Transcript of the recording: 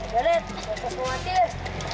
garet jangan khawatir